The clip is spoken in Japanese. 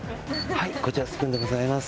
こちらスプーンでございます。